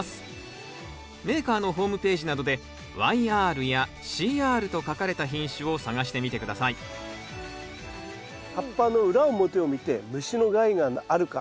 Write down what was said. メーカーのホームページなどで「ＹＲ」や「ＣＲ」と書かれた品種を探してみて下さい葉っぱの裏表を見て虫の害があるかそれとも虫がいないかよく見て下さい。